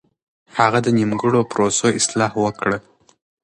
هغه د نيمګړو پروسو اصلاح وکړه.